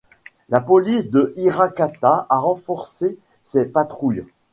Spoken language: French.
La police de Hirakata a renforcé ses patrouilles.